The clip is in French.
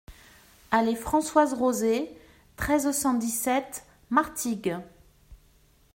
Allée Françoise Rosay, treize, cent dix-sept Martigues